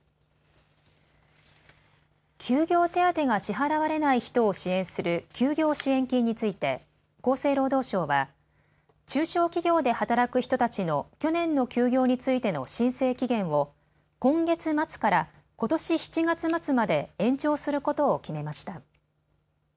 休業手当が支払われない人を支援する休業支援金について厚生労働省は中小企業で働く人たちの去年の休業についての申請期限を今月末からことし７月末まで延長することを決めました。